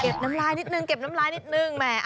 โอ้โฮเก็บน้ำลายนิดหนึ่งแหม่